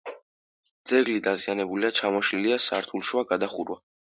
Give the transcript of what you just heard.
ძეგლი დაზიანებულია, ჩამოშლილია სართულშუა გადახურვა.